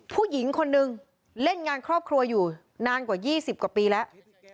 ผู้หญิงคนนึงเล่นงานครอบครัวอยู่นานกว่า๒๐กว่าปีแล้ว